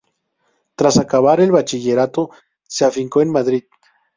Tras acabar el bachillerato, se afincó en Madrid.